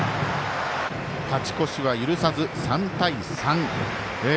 勝ち越しは揺るさず、３対３。